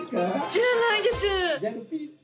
「知らないです！」。